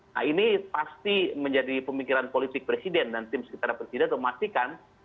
nah ini pasti menjadi pemikiran politik presiden dan tim sekitar presiden untuk memastikan